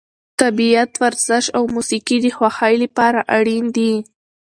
طبیعت، ورزش او موسیقي د خوښۍ لپاره اړین دي.